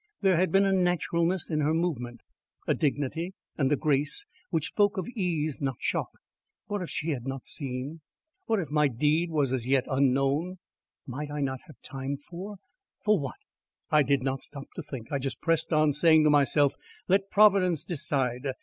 There had been a naturalness in her movement, a dignity and a grace which spoke of ease, not shock. What if she had not seen! What if my deed was as yet unknown! Might I not have time for for what? I did not stop to think; I just pressed on, saying to myself, "Let Providence decide.